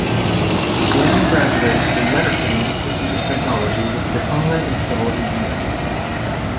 Blaney graduated from Letterkenny Institute of Technology with a diploma in civil engineering.